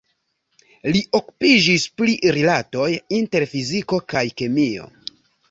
Li okupiĝis pri rilatoj inter fiziko kaj kemio.